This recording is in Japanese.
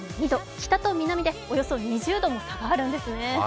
北と南でおよそ２０度も差があるんですね。